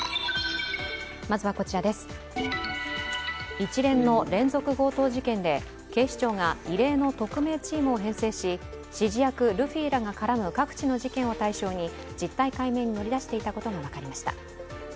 一連の連続強盗事件で警視庁が異例の特命チームを編成し指示役・ルフィらが絡む各地の事件を対象に実態解明に乗り出していたことが分かりました。